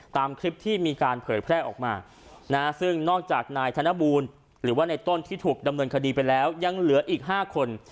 ตามคลิปที่มีการเผยแพร่ออกมาซึ่งนอกจากนายธนบูลหรือว่าในต้นที่ถูกดำเนินคดีไปแล้วยังเหลืออีก๕คน